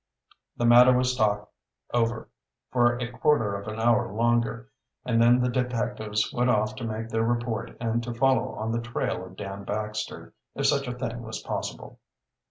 The matter was talked over for a quarter of an hour longer and then the detectives went off to make their report and to follow on the trail of Dan Baxter, if such a thing was possible.